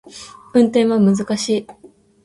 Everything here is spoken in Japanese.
運転は難しい